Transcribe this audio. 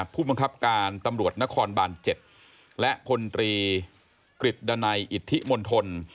ผู้บังคับการตำรวจนครบาน๗และพลตรีกฤษดันัยอิทธิมณฑล